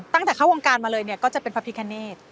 ตั้งแต่เข้าวงการมาเลยเนี่ยก็จะเป็นพระพิคเนต